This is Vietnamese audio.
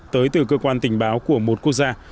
tới từ cơ quan tình báo của một quốc gia